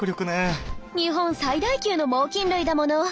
日本最大級の猛禽類だもの。